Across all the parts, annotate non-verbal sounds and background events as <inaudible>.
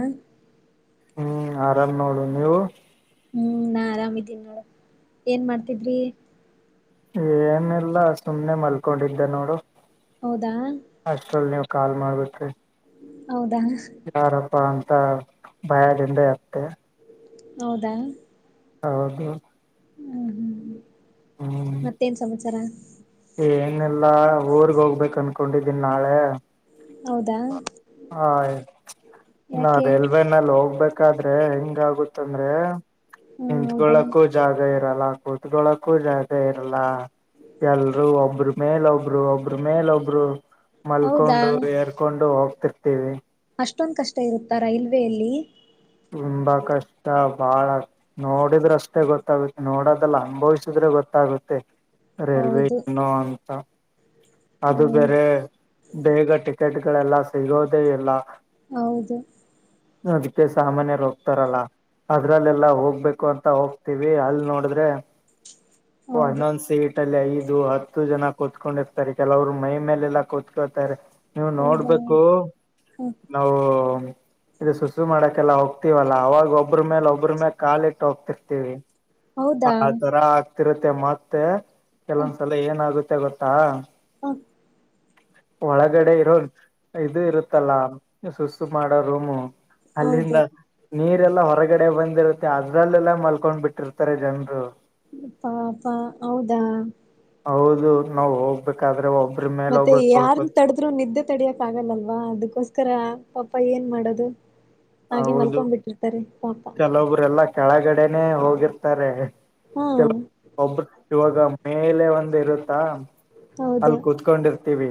ಹ ಹ್ಮ್ ಆರಾಮ್ ನೋಡು ನೀವು ಹ್ಮ್ ನಾ ಆರಾಮಿದ್ದೀನಿ ನೋಡು ಏನ್ ಮಾಡ್ತಿದ್ರಿ ಏನಿಲ್ಲ ಸುಮ್ನೆ ಮಲ್ಕೊಂಡಿದ್ದೆ ನೋಡು ಹೌದಾ. ಅಷ್ಟ್ರಲ್ಲಿ ನೀವು ಕಾಲ್ ಮಾಡ್ಬಿಟ್ರಿ. ಹೌದಾ. ಪ್ಪಾ ಅಂತ ಭಯದಿಂದ ಇತ್ತೆ. ಹೌದಾ. ಹೌದು. ಹ್ಮ್ ಹ್ಮ್ ಮತ್ತೇನ್ ಸಮಾಚಾರ. ಏನೆಲ್ಲಾ ಊರ್ಗ್ ಹೋಗ್ಬೇಕಕ್ ಅನ್ಕೊಂಡಿದ್ದೀನ್ ನಾಳೆ. ಹೌದಾ ಆಯ್ತು ನಾ ಯಾಕೆ ರೈಲ್ವೆನಲ್ಲಿ ಹೋಗ್ಬೇಕು. ಹೋಗ್ಬೇಕಾದ್ರೆ ಹೆಂಗಾಗುತ್ತಂದ್ರೆ ಹ ಹೌದಾ ನಿತ್ಕೊಳ್ಳಕ್ಕೂ ಜಾಗ ಇರಲ್ಲ. ಇರಲ್ಲ ಕೂತ್ಕೊಳ್ಳಳಕ್ಕೂ ಜಾಗ ಇರಲ್ಲ ಎಲ್ಲಾ. ಒಬ್ರ ಮೇಲ್ ಒಬ್ರು ಒಬ್ರ ಮೇಲ್ ಒಬ್ರು ಹೌದಾ ಮಲ್ಕೊಂಡು ಏರ್ಕೊಂಡು ಹೋಗ್ತಾರ್ತೀವಿ. ಹೋಗ್ತಿರ್ತೀವಿ. ಅಷ್ಟೊಂದ್ ಕಷ್ಟ ಇರುತ್ತ ರೈಲ್ವೆಲ್ಲಿ. ತುಂಬಾ ಕಷ್ಟ ಬಾಳ ನೋಡಿದ್ರೇ ಅಷ್ಟೇ ಗೊತ್ತಾಗುತ್ತೆ ನೋಡದೆಲ್ಲ ಅನುಭವಿಸಿದ್ರೆ ಗೊತ್ತಾಗುತ್ತೆ. ಗೊತ್ತಾಗುತ್ತೆ ರೈಲ್ವೆ ಹೌದು ಏನು ಅಂತ. ಅದು ಹ್ಮ್ ಬೇರೆ ಬೇಗ ಟಿಕೆಟ್ಗಳೆಲ್ಲ ಸಿಗೋದೇ ಇಲ್ಲ. ಹೌದು. ಅದಕ್ಕೆ ಸಾಮಾನ್ಯರು ಹೋಗ್ತಾರಲ್ಲ. ಅದ್ರಲ್ಲೆಲ್ಲಾ ಹೋಗ್ಬೇಕು ಅಂತ ಹೋಗ್ತೀವಿ ಅಲ್ ನೋಡಿದ್ರೆ. ಒನ್ ಹೌದು ಒನ್ ಸೀಟ್ ಅಲ್ಲಿ ಐದು ಹತ್ತು ಜನ ಕೂತ್ಕೊಂಡಿರ್ತಾರೆ. ಕುತ್ಕೊಂಡಿತಾರೆ ಕೆಲವ್ರು ಮೈ ಮೇಲೆಲ್ಲ ಕೂತ್ಕೋತಾರೆ. ನೀವು ಹೌದಾ ನೋಡ್ಬೇಕು ಹ ನಾವು. ಈಗ ಸುಸು ಮಾಡಕೆಲ್ಲಾ ಹೋಗ್ತೀವಲ್ಲ ಅವಾಗ ಒಬ್ರ ಮೇಲೆ ಒಬ್ರ ಮೇಲೆ ಕಾಲಿಟ್ಟ್ ಹೋಗ್ತಿರ್ತಿವಿ. ಹೌದಾ ಆ ತರ ಆಗ್ತಿರುತ್ತೆ ಮತ್ತೆ ಕೆಲವೊಂದ್ಸಲ ಏನಾಗುತ್ತೆ ಗೊತ್ತಾ. ಹ್ಮ್. ಒಳಗಡೆ ಇರೋದ್ ಇದು ಇರುತ್ತಲ್ಲಾ ಸುಸು ಮಾಡೋ ರೂಮು. ಹೌದು ಅಲ್ಲಿಂದ ನೀರೆಲ್ಲಾ ಹೊರಗೆ. ಹೊರಗಡೆ ಬಂದಿರುತ್ತೆ ಅದ್ರಲ್ಲೆಲ್ಲ ಮಲ್ಕೊಂಡ್ ಬಿಟ್ಟಿರ್ತಾರೆ ಜನ್ರು. ಅಪ್ಪಾಪಾ ಹೌದಾ. ಹೌದು ನಾವು ಹೋಗ್ಬೇಕಾದ್ರೆ ಒಬ್. ಮತ್ತೆ ಯಾರ ತಡದ್ರು ನಿದ್ದೆ ತಡಿಯಕ್ ಆಗಲ್ಲಲ್ವಾ ಅದಕ್ಕೋಸ್ಕರ. ಪಾಪ ಏನ್ ಮಾಡೋದು ಹಾಗೆ ಹೌದು ಮಲ್ಕೊ್ ಬಿಿಟ್ಟಿರ್ತಾರೆ ಪಾಪ. ಕೆಲವೊಬ್ರೆಲ್ಲಾ ಕೆಳಗಡೆನೆ ಹೋಗಿರ್ತಾರೆ. ಹಾ ಕೆಲವು ಒಬ್ಬರು ಇವಾಗ ಮೇಲೆ ಒಂದು ಇರುತ್ತಾ. ಹೌದು ಅಲ್ಲಿ ಕುೂತ್ಕೊಂಡಿರ್ತೀವಿ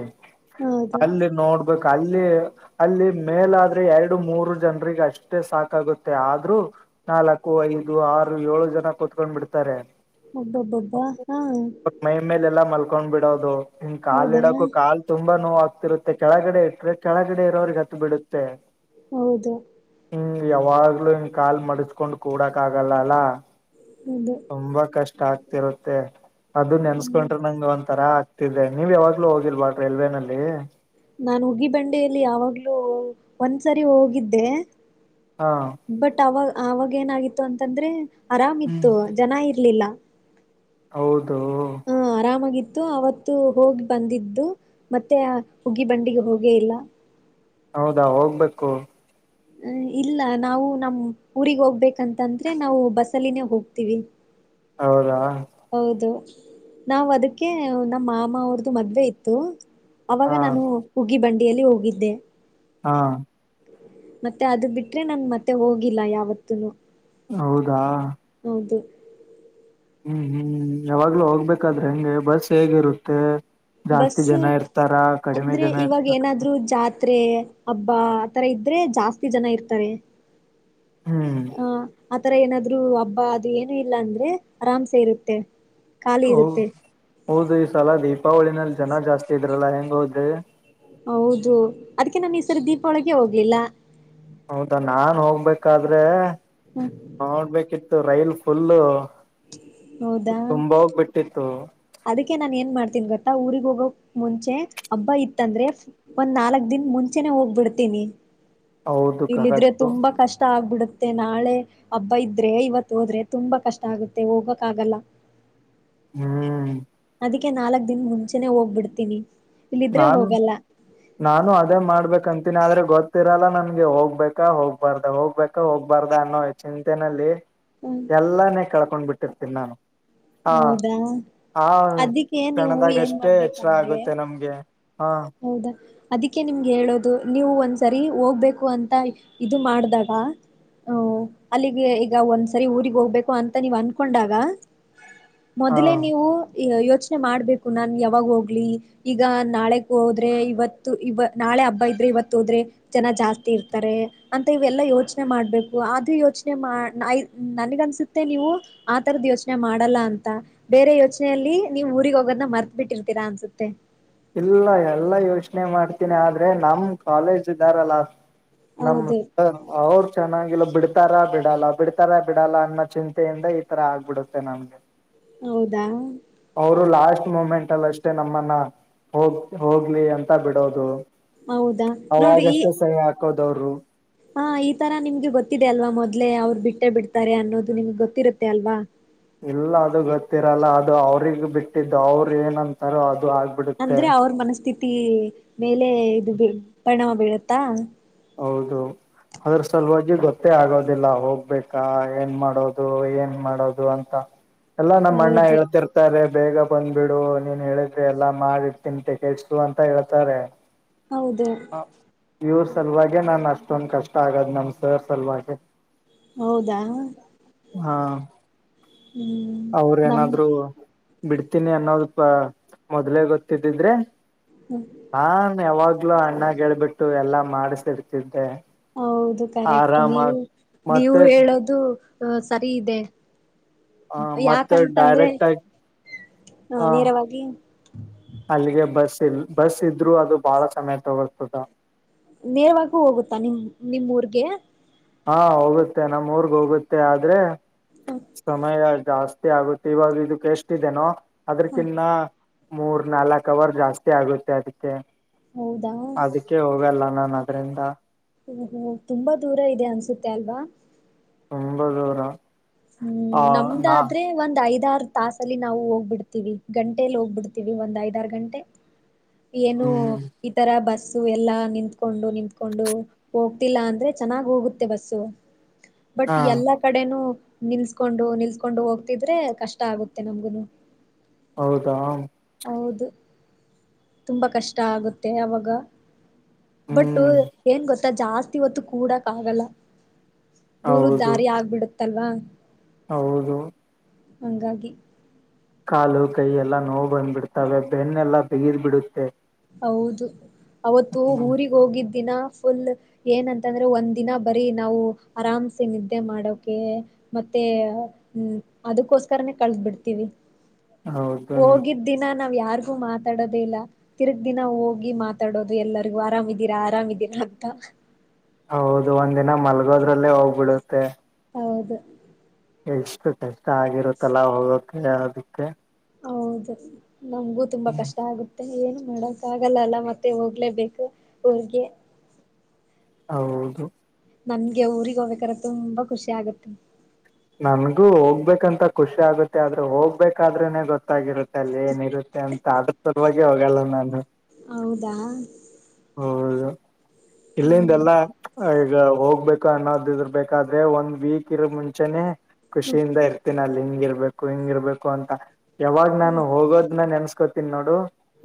ಹೌದು ಅಲ್ಲಿ ನೋಡ್ಬೇಕು. ಅಲ್ಲಿ ಅಲ್ಲಿ ಮೇಲಾದ್ರೆ ಎರಡು ಮೂರು. ಜನರಿಗೆ ಅಷ್ಟೇ ಸಾಕಾಗುತ್ತೆ ಆದ್ರೂ ನಾಲ್ಕು ಐದು ಆರು ಏಳು ಜನ ಕುೂತ್ಕೊಂಡ್ ಬಿಡ್ತಾರೆ. ಒಬ್ಬೊಬ್ಬೊಬ್ಬ ಹಾ ಮೈ ಮೇಲೆ ಎಲ್ಲ ಮಲ್ ಕೊಂಡ್ ಬಿಡೋದು ಇಂಗ್ ಕಾಲ್ ಹೌದಾ ಇಡಕು ಕಾಲ್ ತುಂಬ. ತುಂಬಾ ನೋವು ಆಗ್ತಿರುತ್ತೆ ಕೆಳಗಡೆ ಇಟ್ಟ್ರೆ ಕೆಳಗಡೆ ಇರೋರಿಗೆ ಹತ್ತ ಬಿಡುತ್ತೆ. ಹೌದು. ಹೂ ಯಾವಾಗ್ಲೂ ಕಾಲ್ ಮಡಸ್ಕೊಂಡ್ ಕೂಡಕ್ ಆಗಲ್ಲ ಅಲ್ಲ. ಹೌದು ತುಂಬಾ ಕಷ್ಟ ಆಗ್ತಿರುತ್ತೆ ಅದು ಹ್ಮ್ ನೆನ್ಸ್ಕೊಂಡ್ರೆ ನಂಗ ಒಂತರ. ಆಗ್ತಿದೆ ನೀವ್ ಯಾವಾಗ್ಲೂ ಹೋಗಿಲ್ವ ರಲ್ವೆನಲ್ಲಿ. ನಾನು ಉಗಿ ಬಂಡೆಯಲ್ಲಿ ಯಾವಾಗ್ಲೋ ಒಂದ್ಸರಿ ಹೋಗಿದ್ದೆ. ಹಾ ಬಟ್ ಅವಾಗ ಅವಾಗೇಏನಾಗಿತ್ತು ಅಂತಂದ್ರೆ. ಆರಾಮಿತ್ತು ಜನ ಇರ್ಲಿಲ್ಲ. ಹೌದು. ಹ ಆರಾಮಾಗಿತ್ತು ಅವತ್ತು ಹೋಗಿ ಬಂದಿದ್ದು ಮತ್ತೆ ಆ ಹುಗ್ಗಿ ಬಂಡಿಗೆ ಹೋಗೇ ಇಲ್ಲ. ಹೌದಾ ಹೋಗ್ಬೇಕು ಹೂ ಇಲ್ಲ ನಾವು ನಮ್ ಊಗ್ ಹೋಗ್ಬೇಕಂತಂದ್ರೆ ನಾವು ಬಸ್ಸಲ್ಲಿಿನೇ ಹೋಗ್ತೀವಿ ಹೌದಾ ಹೌದು ನಾವ್ ಅದಕ್ಕೆ ನಮ್ಮ ಮಾಮ ಅವ್ರದುು ಮದ್ವೆ ಇತ್ತು ಅವಾಗ ಹಾ ನಾನು ಉಗೀ ಬಂಡಿಯಲ್ಲಿ ಹೋಗಿದ್ದೆ ಹಾ ಮತ್ತೆ ಅದು ಬಿಟ್ರೆ ನನ್ ಮತ್ತೆ ಹೋಗಿಲ್ಲ ಯಾವತ್ತನು ಹೌದಾ ಹೂ ಹೂ ಯಾವಾಗ್ಲೂ ಹೋಗ್ಬೇಕಾದ್ರೆ ಹೆಂಗೆ ಬಸ್ ಹೇಗಿರುತ್ತೆ ಜಾಸ್ತಿ ಬಸ್ಸು ಜನ ಇರ್ತಾರ ಕಡಿಮೆ ಜನ ಇರ್ತಾರ ತ್ೆ ಹಬ್ಬಾ ಆ ತರ ಇದ್ರೆ ಜಾಸ್ತಿ ಜನ ಇರ್ತಾರೆ ಹೂ ಆ ಆತರ ಏನಾದ್ರು ಹಬ್ಬ ಅದು ಏನು ಇಲ್ಲ ಅಂದ್ರೆ ಆರಾಮ್ಸ ಇರುತ್ತೆ ಖಾಲಿ ಹೌ ಇರುತ್ತೆ ಹೌದು ಈ ಸಲ ದೀಪಾವಳಿನಲ್ಲಿ ಜನ ಜಾಸ್ತಿ ಇದ್ರಲ್ಲಾ ಹೆಂಗ ಹೋದ್ರಿ ಹೌದು ಅದಕ್ಕೆ ನಾನ್ ಈ ಸರಿ ದೀಪಾವಳಿಗೆ ಹೋಗ್ಲಿಲ್ಲ ಹೌದಾ ನಾನ್ ಹೋಗ್ಬೇಕಾದ್ರೆ ಹ, ನೋಡ್ಬೇಕಿತ್ತು ಇ ರೈಲ್ ಫುಲ್ ಹೌದಾ ತುಂಬ ಹೋಗ್ ಬಿಿಟ್ಟಿತ್ತು ಅದಕ್ಕೆ ನಾನ್ ಏನ್ ಮಾಡ್ತೀನ್ಿ ಗೊತ್ತಾ ಊರಿಗ್ ಹೋಗೋಕ್ ಮುಂಚೆ ಹಬ್ಬ ಇತ್ತಂದ್ರೆ ಒಂದ್ ನಾಲ್ಕ್ ದಿನ ಮುಂಚೆನೆ ಹೋಗ್ಬಿಡ್ತೀನಿ ಹೌದು ಇಲ್ಲಿದ್ರೆ ಕರೆಕ್ಟು ತುಂಬಾ ಕಷ್ಟ ಆಗ್ಬಿಡ ಮತ್ತ ನಾಳೆ ಹಬ್ಬ ಇದ್ರೆ ಇವತ್ ಹೋದ್ರೆ ತುಂಬಾ ಕಷ್ಟ ಆಗುತ್ತೆ ಹೋಗಕ್ ಆಗಲ್ಲ ಹೂ ಅದಕ್ಕೆ ನಾಲ್ಕ್ ದಿನ್ ಮುಂಚೆನೆ ಹೋಗ್ಬಿಡ್ತೀನಿ ಇಲ್ಲಿದ್ರೆ ನಾು ಹೋಗಲ್ಲ ನಾನು ಅದೇ ಮಾಡ್ಬೇಕಂತ ತ್ತಿನಾದ್ರೆ ಗೊತ್ತಿರಲ್ಲ ನನ್ಗೆ ಹೋಗ್ಬೇಕಾ ಹೋಗ್ಬಾರ್ದ ಹೋಗ್ಬೇಕಾ ಹೋಗ್ಬಾರ್ದ ಅನ್ನೋ ಚಿಂತೆನೆಲ್ಲಿ ಹ್ಮ್ ಎಲ್ಲಾನೇ ಕಳ್ಕೊಂಡ್ ಬಿಟ್ಟಿರ್ತೀನಿ ನಾನು ಹಾ ಹೌದಾ ಹ ಅದಿಕ್ಕೆ ನೀವು ಏನ್ ಕಣದಾಗಷ್ಟೇ ಎಚ್ಚರ ಮಾಡ್ಬೇಕಂದ್ರೆ ಆಗುತ್ತೆ ನಮ್ಗೆ ಹಾ ಹೌದಾ ಅದಕ್ಕೆ ನಿಮ್ಗೆ ಹೇಳೋದು ನೀವು ಒಂದ್ಸರಿ ಹೋಗ್ಬೇಕು ಅಂತ ಇದು ಮಾಡ್ದಾಗ ಹಓ ಅಲ್ಲಿಗೆ ಈಗ ಒಂದ್ಸರಿ ಊಗ್ ಹೋಗ್ಬೇಕು ಅಂತ ನೀವ್ ಅನ್ಕೊಂಡಾಗ ಹಾ ಮೊದ್ಲೇ ನೀವು ಯೋಚನೆ ಮಾಡ್ಬೇಕು ನಾನ್ ಯಾವಾಗ ಹೋಗ್ಲಿ ಈಗ ನಾಳೆ ಹೋದ್ರೆ ಇವತ್ತು ಇ ನಾಳೆ ಹಬ್ಬ ಇದ್ರೆ ಇವತ್ತು ಹೋದ್ರೆ ಜನ ಜಾಸ್ತಿ ಇರ್ತಾರೆ ಅಂತ ಇವೆಲ್ಲಾ ಯೋಚನೆ ಮಾಡ್ಬೇಕು ಅ ಯೋಚನೆ ನನಗನ್ಸುತ್ತೆ ನೀವು ಆ ತರದ ಯೋಚನೆ ಮಾಡ ಅಂತ ಬೇರೆ ಯೋಚನೆಯಲ್ಲಿ ನೀವ್ ಊರಿಗೆಗ್ ಹೋಗೋದನ ಮರ್ತ್ ಬಿಿಟ್ಟಿರ್ತೀರಾ ಅನ್ಸುತ್ತೆ ಇಲ್ಲ ಎಲ್ಲಾ ಯೋಚನೆ ಮಾಡ್ತೀನಿ ಆದ್ರೆ ನಮ್ ಕಾಲೇಜ್ ಇದ್ದಾರಲ್ಲ ನಮ್ಮ ಹೌದು ಅವರು ಚೆನ್ನಾಗಿ ಲ ಬಿಡ್ತಾರ ಬಿಡಲ್ಲ ಬಿಡ್ತಾರಾ ಬಿಡಲ್ಲ ಅನ್ನೋ ಚಿಂತೆಯಿಂದ ಈ ತರ ಆಗ್ಬಿಡುತ್ತೆ ನಮ್ಗೆ ಹೌದಾ ಅವರು ಲಾಸ್ಟ್ ಮೂಮೆಂಟ್ ಅಲ್ಲಿ ಅಷ್ಟೇ ನಮ್ಮನ್ನ ಹೋಗ ಹೋಗ್ಲಿ ಅಂತ ಬಿಡೋದು ಹೌದಾ ನೋಡಿ ಈ ಅವಾಗಷ್ಟೇ ಸರಿ ಹಾಕೋದವರು ಹಾ ಈ ತರ ನಿಮ್ಗೆ ಗೊತ್ತಿದೆ ಅಲ್ವಾ ಮೊದ್ಲೆ ಅವ್ರು ಬಿಟ್ಟೇ ಬಿಡ್ತಾರೆ ಅನ್ನೋದು ನಿಮ್ಗೆ ಗೊತ್ತಿರುತ್ತೆ ಅಲ್ವಾ ಇಲ್ಲ ಅದು ಗೊತ್ತಿರಲ್ಲ ಅದು ಅವ್ರಗ್ ಬಿಟ್ಟಿದ್ದು ಅವರು ಏನಂತಾರ ಅದು ದು ಆಗ್ಬಿಡುತ್ತೆ ಅಂದ್ರೆ ಅವ್ರ ಮನಸ್ಥಿತಿ ಮೇಲೆ ಇದು ಬಣವ ಬೀಳತ್ತಾ ಹೌದು ಅದ್ರ ಸಲುವಾಗಿ ಗೊತ್ತೇ ಆಗೋದಿಲ್ಲ ಹೋಗ್ಬೇಕಾ ಏನ್ ಮಾಡೋದು ಏನ್ ಮಾಡೋದು ಅಂತ ಹ ಎಲ್ಲಾ ನಮ್ಮ ಅಣ್ಣ ಹೇಳ್ತಿರ್ತಾರೆ ಬೇಗ ಬಂದ್ಬಿಡು ನೀನ್ ಹೇಳಿದ್ರಿ ಎಲ್ಲಾ ಮಾಡಿರ್ತೀನ್ ಟಿಕೆಸ್ ಅಂತ ಹೇಳ್ತಾರೆ ಹೌದು ಹ ಇ ನಾನನ್ ಅಷ್ಟೊಂದ್ ಕಷ್ಟ ಆಗದ್ ನಮ್ ಸರ್ ಸಲುವಾಗ ಹೌದಾ ಹ್ಮ್ ನಮ್ ಅವ್ರೇಏನಾದ್ರು ಬಿಡ್ತೀನಿ ಅನ್ನೋದಪ ಮೊದ್ಲೇ ಗೊತ್ತಿದ್ದಿದ್ರೆ ಹಾ ಯಾವಾಗ ಮಲುೂ ಅಣ್ಣ ಗೆಳಬಿಟ್ಟು ಎಲ್ಲಾ ಮಾಡಸಿಡ್ತಿದ್ದೆ ಹೌದು ಕರೆಕ್ಟ್ ನೀವು ನೀವು ಮತ್ತೆ ಹೇಳೋದು ಸರಿ ಇದೆ ಆ ಮತ್ತೆ ಯಾಕಂತ ಅಂದ್ರೆ ಡೈರೆಕ್ಟ್ ಆಗಿ ಹ ಆ ನೇರವಾಗಿ ಅಲ್ಲಿಗೆ ಬಸ್ ಇಲ್ ಬಸ್ ಇದ್ರರು ಅದು ಬಾಳ ಸಮಯ ತಗೋತದ ನೇರವ ಹೋಗುತ್ತಾ ನಿಮ ನಿಮ ಊರ್ಗೆ ಹಾ ಹೋಗುತ್ತೆ ನಮ್ ಊರ್ಗ್ ಹೋಗುತ್ತೆ ಆದ್ರೆ ಹ ಸಮಯ ಜಾಸ್ತಿ ಆಗುತ್ತೆ ಇವಾಗ ಇದಕ್ಕೆ ಎಷ್ಟಿದೆೇನೋ ಹ, ಅದ್ರಕಿನ್ನ ಮೂರ್ ನಾಲ್ಕ್ ಅವರ್ ಜಾಸ್ತಿ ಆಗುತ್ತೆ ಅದಕ್ಕೆ ಹೌದಾ ಅದಕ್ಕೆ ಹೋಗಲ್ಲ ನನ್ ಅದ್ರಿಂದ ಓಹೋ ತುಂಬಾ ದೂರ ಇದೆ ಅನ್ಸುತ್ತೆ ಅಲ್ವಾ ತುಂಬ ದೂರ ಹ್ಮ್ ಆ ನಾ ನಮ್ದಾದ್ರೆ ಒಂದ್ ಐದ್ ಆರ್ ತಾಸಲ್ಲಿ ನಾವು ಹೋಗ್ಬಿಡ್ತೀವಿ ಗಂಟೆಲಿ ಹೋಗ್ಬಿಡ್ತೀವಿ ಒಂದ್ ಐದಾರು ಗಂಟೆ ಏನು ಹ್ಮ್ ಈತರ ಬಸ್ ಬ ಎಲ್ಲಾ ನಿಂತ್ಕೊಂಡು ನಿತ್ಕೊಂಡು ಹೋಗ್ತಿಲ್ಲ ಅಂದ್ರೆ ಚೆನ್ನಾಗಿ ಹೋಗುತ್ತೆ ಬಸ್ಸು ಬಟ್ ಹಾ ಎಲ್ಲಾ ಕಡೆನೂ ನಿಲ್ಸ್ಕೊಂಡು ನಿಲ್ಸ್ಕೊಂಡು ಹೋಗ್ತಿದ್ರೆ ಕಷ್ಟ ಆಗುತ್ತೆ ನಮ್ಗುನು ಹೌದಾ ಹೌದು ತುಂಬಾ ಕಷ್ಟ ಆಗುತ್ತೆ ಅವಾಗ ಬಟ್ ಹ್ಮ್ ಏನ್ ಗೊತ್ತಾ ಜಾಸ್ತಿ ಹೊತ್ತು ಕೂಡಕ್ ಆಗಲ್ಲ ದೂರು ಹೌದು ದಾರಿ ಆಗ್ಬಿಡುತ್ತಲ್ವಾ ಹೌದು ಹಂಗಾಗಿ ಕಾಲು ಕೈ ಎಲ್ಲಾ ನೋವು ಬಂದ್ಬಿಡ್ತವೆ ಬೆನ್ನೆಲ್ಲಾ ಬಿಗದ್ ಬಿಡುತ್ತೆ ಹೌದು ಅವತ್ತು ಊರಿಗೆ ಹೋಗಿದ್ ದಿನ ಫುಲ್ ಏನಂತಂದ್ರೆ ಒಂದು ದಿನ ಬರೀ ನಾವು ಆರಾಮ್ಸೆ ನಿದ್ದೆ ಮಾಡೋಕೆ ಮತ್ತೆ ಹ್ಮ್ ಅದಕ್ಕೋಸ್ಕರನೇ ಕಳದ್ ಬಿಡ್ತೀವಿ ಹೌದು ರಿ ಹೋಗಿದ್ ದಿನ ನಾವ್ ಯಾರಿಗೂ ಮಾತಾಡೋದೇ ಇಲ್ಲ ತಿರ್ಗ ದಿನ ಹೋಗಿ ಮಾತಾಡೋದು ಎಲ್ಲರಿಗೂ ಆರಾಮಿದೀರಾ ಆರಾಮಿದೀರಾ ಅಂತ ಹೌದು ಒಂದಿನ ಮಲ್ಗೋದ್ರಲ್ಲೇ ಹೋಗ್ಬಿಡುತ್ತೆ ಹೌದು ಎಷ್ಟು ಕಷ್ಟ ಆಗಿರುತ್ತಲ್ಲ ಹೋಗೋಕ ಅದಿಕ್ಕೆ ಹೌದು ನಮಗೂ ತುಂಬಾ ಕಷ್ಟ ಆಗುತ್ತೆ ಏನು ನೋಡಕ್ ಆಗಲ್ಲ ಅಲ್ಲ ಮತ್ತೆ ಹೋಗ್ಲೇಬೇಕು ಊರ್ಗೆ ಹೌದು ನಮ್ಗೆ ಊಗ್ ಹೋಗ್ಬೇಕ್ರ ತುಂಬಾ ಖುಷಿ ಆಗುತ್ತೆ ನಮಗೂ ಹೋಗ್ಬೇಕಂತ ಖುಷಿ ಆಗತ್ತೆ ಆದ್ರೂ ಹೋಗ್ಬೇಕಾದ್ರೆನೆ ಗೊತ್ತಾಗಿರುತ್ತೆ ಅಲ್ಲಿ ಏನಿರುತ್ತೆ ಅಂತ ಆದ್ರ ಸುಲುವಾಗಿ ಹೋಗಲ್ಲ ನಾನು ಹೌದಾ ಹೌದು ಇಲ್ಲಿಂದ ಎಲ್ಲ ಈಗ ಹೋಗ್ಬೇಕು ಅನ್ನೋದ ಇದರ್ಬೇಕಾದ್ರೆ ಒಂದ್ ವೀಕ್ ಇರ ಮುಂಚೆನೇ ಖುಷಿಯಿಂದ ಹ್ಮ್ ಇರ್ತೀನ ಅಲ್ಲಿ ಹಿಂಗಿರ್ಬೇಕು ಹಿಂಗಿರ್ಬೇಕು ಅಂತ ಯಾವಾಗ್ ನಾನು ಹೋಗೋದ್ನ ನೆನ್ಸ್ ಕೋತನಿ ನೋಡು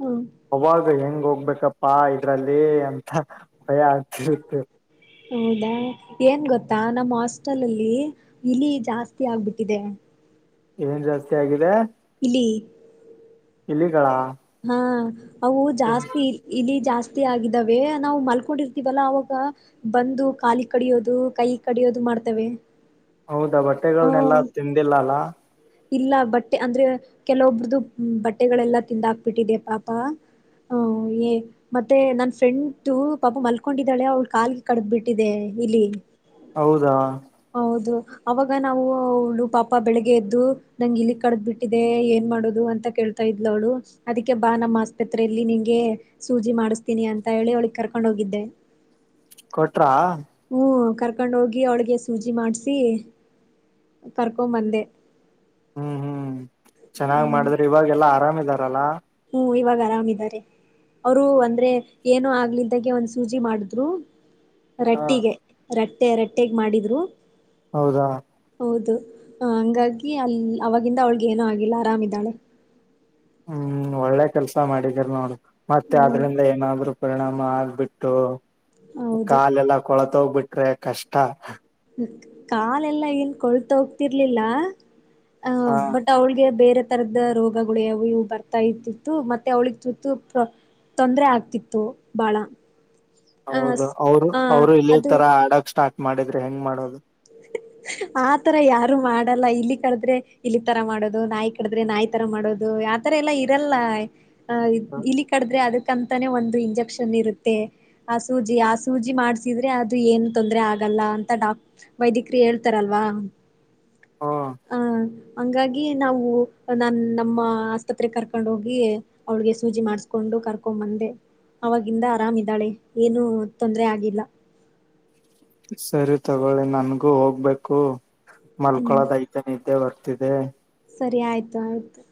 ಹ್ಮ್ ಅವಾಗ ಹೆಂಗ ಹೋಗ್ಬೇಕಪ್ಪಾ ಇದ್ರಲ್ಲಿ ಅಂತ <unintelligible> ಹೌದಾ ಏನ್ ಗೊತ್ತಾ ನಮ್ ಹಾಸ್ಟೆಲ್ ಅಲ್ಲಿ ಇಲಿ ಜಾಸ್ತಿ ಆಗ್ಬಿಟ್ಟಿದೆ ಏನ್ ಜಾಸ್ತಿ ಆಗಿದೆ ಇಲಿ ಇಲಿಗಳ ಹಾ ಅವು ಜಾಸ್ತಿ ಇಲಿ ಜಾಸ್ತಿ ಅತಿ ಆಗಿದವೆ ನಾವು ಮಲ್ಕೊಂಡಿರ್ತೀವಲ್ಲ ಅವಾಗ ಬಂದು ಕಾಲಿಗ್ ಕಡಿಯೋದು ಕೈ ಕಡಿಯೋದು ಮಾಡ್ತವಿ ಹೌದಾ ಬಟ್ಟೆಗಳನ್ನ ಎಲ್ಲಾ ತಿಂದಿಲ್ಲ ಅಲ್ಲ ಇಲ್ಲ ಬಟ್ಟೆ ಅಂದ್ರೆ ಕೆಲವೊಬ್ರ್ದ ಬಟ್ಟೆಗಳೆಲ್ಲಾ ತಿಂದಾಕ್ಬಿಟ್ಟಿದೆ ಪಾಪ ಹ ಏ ಮತ್ತೆ ನನ್ ಫ್ರೆಂಡ್ದು ಪಾಪ ಮಲ್ಕೊಂಡಿದ್ದಾಳೆ ಅವ್ಳ ಕಾಲಗೆ ಕಡ್ದ್ ಬಿಟ್ಟಿದೆ ಇಲಿ ಹೌದಾ ಹೌದು ಅವಾಗ ನಾವು ಅವಳು ಪಾಪ ಬೆಳಿಗ್ಗೆ ಎದ್ದು ನಂಗ ಇಲ್ಲಿ ಕಡದ್ ಬಿಟ್ಟಿದೆ ಏನ್ ಮಾಡೋದು ಅಂತ ಕೇಳ್ತಾ ಇದ್ಲು ಅವಳು ಅದಿಕ್ಕೆ ಬಾ ನಮ್ಮ್ ಆಸ್ಪತ್ರರೆಯಲ್ಲಿ ಗೆ ಸೂಜಿ ಮಾಡಿಸ್ತೀನಿ ಅಂತ ಹೇಳಿ ಅವ್ಳಿಗಗ್ ಕರ್ಕೊಂಡ್ ಹೋಗಿದ್ದೆ ಕೊಟ್ರಾ ಹ್ಮ್ ಕರ್ಕೊಂಡೋಗಿ ಅವಳಿಗೆ ಸೂಜಿ ಮಾಡ್ಸ ಕರ್ಕೊಂಡಂಬಂದೆ ಹ್ಮ್ ಹ್ಮ್ ಚೆನ್ನಾಗ್ ಮಾಡಿದ್ರೆ ಇವಾಗೆಲ್ಲಾ ಆರಾಮ್ ಇದಾರಲ್ಲಾ ಹುಂ ಇವಾಗ ಆರಾಮ್ ಇದ್ದಾರೆ ಅವರು ಅಂದ್ರೆ ಏನೋ ಆಗ್ಲಲ್ದಾನ್ಗೆ ಒಂದ್ ಸೂಜಿ ಮಾಡಿದ್ರು ಹ ರಟ್ಟಿಗೆ ರಟ್ಟೆ ರಟ್ಟಗ್ ಮಾಡಿದ್ರು ಹೌದಾ ಹೌದು ಹಂಗಾಗಿ ಅಲ್ ಅವಾಗಿಂದ ಅವಲ್ಗೆ ಏನೂ ಆಗಿಲ್ಲ ಆರಾಮ್ ಇದ್ದಾಳೆ ಹ್ಮ್ ಒಳ್ಳೆ ಕೆಲ್ಸ ಮಾಡಿದರ್ ನೋಡು ಮತ್ತೆ ಹೌದು ಅದ್ರಿಂದ ಏನಾದ್ರು ಪರಿಣಾಮ ಆಗ್ಬಿಟ್ಟು ಹೌದು. ಕಾಲೆಲ್ಲ ಕೊಳತೋಗ್ಬಿಟ್ರೆ ಕಷ್ಟ ಕಾಲೆಲ್ಲಾ ಏನ್ ಕೊಳ್ತ ಹೋಗ್ತಿರ್ಲಿಲ್ಲ ಅ ಹಾ ಬಟ್ ಅವಳಿಗೆ ಬೇರೆ ತರದ ರೋಗಗಳು ಇವು ಬರ್ತಾ ಇತಿತ್ತು ಮತ್ತೆ ಅವಳಿಗೆ ತು ತು ತೊಂದ್ರರೆ ಆಗ್ತಿತ್ತು ಬಾಳ ಆ ಹೌದು ಅವರು ಆ ಅವರು ಇಲ್ಲಿ ಅದು ತರ ಆಡಕ್ ಸ್ಟಾರ್ಟ್ ಮಾಡಿದ್ರೆ ಹೆಂಗ್ ಮಾಡೋದು <unintelligible> ಆತರ ಯಾರು ಮಾಡಲ್ಲ ಇಲ್ಲಿ ಕಡದ್ರೆ ಇಲ್ಲಿ ತರ ಮಾಡೋದು ನಾಯಿ ಕಡದ್ರೆ ನಾಯಿ ತರ ಮಾಡೋದು ಆತರ ಎಲ್ಲಾ ಇರಲ್ಲ ಇಲ್ಲಿ ಕಡದ್ರೆ ಅದಕ್ಕಂತ ತೆ ಒಂದು ಇಂಜೆಕ್ಷನ್ ಇರುತ್ತೆ ಆ ಸೂಜಿ ಆ ಸೂಜಿ ಮಾಡ್ಸಿದ್ರೆ ಅದು ಏನ್ ತೊಂದ್ರರೆ ಆಗಲ್ಲ ಅಂತ ಡಾಕ್ ವೈದ್ಯಿಕರು ಹೇಳ್ತಾರಲ್ವಾ ಹ ಹಾ ಹಂಗಾಗಿ ನಾವು ನಾ ನಮ್ಮ ಆಸ್ಪತ್ರೆ ಕರ್ಕೊಂಡ ಹೋಗಿ ಅವಳಿಗೆ ಸೂಜಿ ಮಾಡಸ್ಕೊಂಡು ಕರ್ಕೊಂಬಂದೆ ಅವವಾಗಿಂದ ಆರಾಮ್ ಇದ್ದಾಳೆ ಏನು ತೊಂದರೆ ಆಗಿಲ್ಲ ಕ <unintelligible> ಸರಿ ತಗೊಳ್ಳಿ ನನ್ಗೂ ಹೋಗ್ಬೇಕು ಮಲ್ಕೊಳೋದ ಐತನಿ ನಿದ್ದೆ ಬರ್ತಿದೆ ಸರಿ ಆಯಿತು ಆಯಿತು